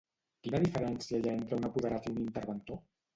Quina diferència hi ha entre un apoderat i un interventor?